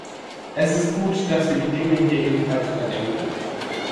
Es ist gut, dass wir die Dinge hier ebenfalls überdenken.